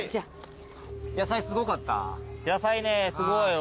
野菜ねすごいよ。